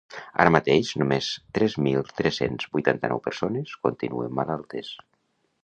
Ara mateix, només tres mil tres-cents vuitanta-nou persones continuen malaltes.